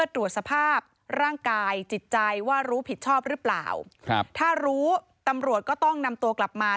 ถ้ารู้ตำรวจก็ต้องนำตัวกลับมา